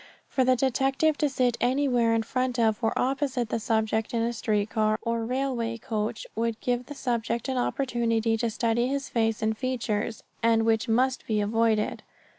For the detective to sit anywhere in front of, or opposite the subject in a street car or railway coach would give the subject an opportunity to study his face and features, and which must be avoided.